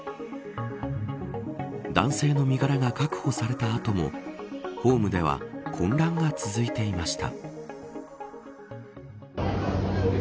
男性の身柄が確保された後もホームでは混乱が続いていました。